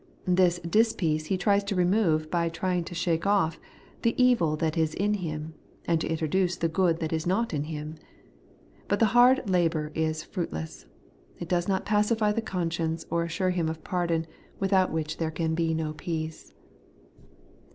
This dispeace he tries to remove by trying to shake oflf the evil that is in him, and to introduce the good that is not in him. But the hard labour is fruitless. It does not pacify the conscience or assure him of pardon, without which there can be no peace.